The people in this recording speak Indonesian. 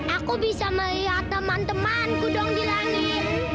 aku bisa melihat teman temanku doang di langit